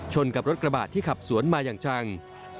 กับรถกระบะที่ขับสวนมาอย่างจัง